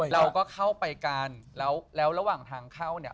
เราก็เข้าไปกันแล้วแล้วระหว่างทางเข้าเนี่ย